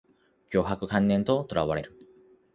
強迫観念にとらわれる